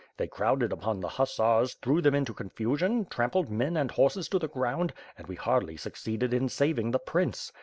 They crowded upon the hussars, threw them into confusion, trampled men and horses to the ground, and we hardly succeeded in saving the prince.